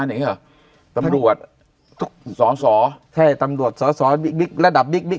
อย่างนี้หรอตำรวจทุกสอสอใช่ตำรวจสอสอบิ๊กระดับบิ๊กบิ๊ก